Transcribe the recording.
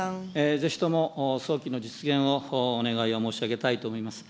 ぜひとも早期の実現をお願いを申し上げたいと思います。